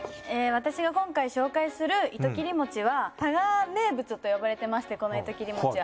私が今回紹介する糸切餅は多賀名物と呼ばれてましてこの糸切餅は。